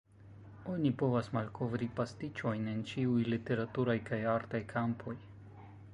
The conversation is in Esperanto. Oni povas malkovri pastiĉojn en ĉiuj literaturaj kaj artaj kampoj.